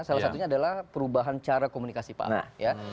salah satunya adalah perubahan cara komunikasi pak aho